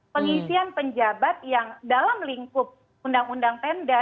pengisian penjabat yang dalam lingkup undang undang pemda